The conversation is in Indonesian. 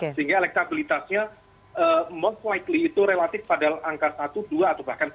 sehingga elektabilitasnya most likely itu relatif pada angka satu dua atau bahkan tiga